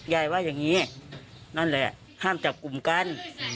ยายว่าอย่างนี้นั่นแหละห้ามจับกลุ่มกัน